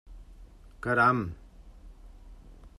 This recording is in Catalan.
Caram!